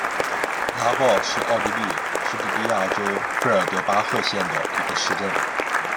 拉鲍是奥地利施蒂利亚州费尔德巴赫县的一个市镇。